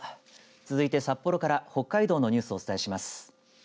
続いて札幌から北海道のニュースをお伝えします。